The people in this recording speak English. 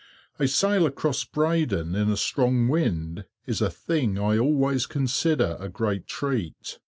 A sail across Breydon in a strong wind, is a thing I always consider a great treat.